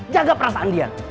jaga perasaan dia